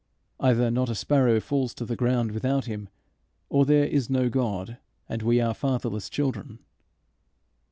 Either not a sparrow falls to the ground without Him, or there is no God, and we are fatherless children.